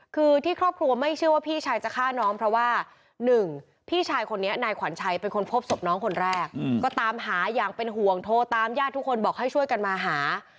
คือที่ครอบครัวไม่เชื่อว่าพี่ชายจะฆ่าน้องเพราะว่าหนึ่งพี่ชายคนนี้นายขวัญชัยเป็นคนพบศพน้องคนแรกก็ตามหาอย่างเป็นห่วงโทรตามญาติทุกคนบอกให้ช่วยกันมาหา